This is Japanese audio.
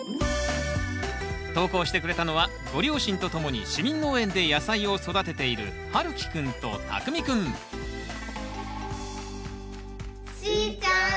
投稿してくれたのはご両親とともに市民農園で野菜を育てているはるきくんとたくみくんしーちゃん